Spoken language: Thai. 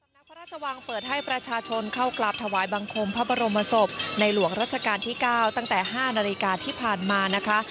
ณพระราชวังเปิดให้ประชาชนเข้ากราบถวายบังคมพระบรมศพในหลวงรัชกาลที่๙ตั้งแต่๕นาฬิกาที่ผ่านมานะคะ